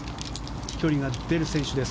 飛距離が出る選手です